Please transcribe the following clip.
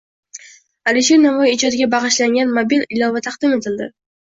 Alisher Navoiy ijodiga bag‘ishlangan mobil ilova taqdim etildi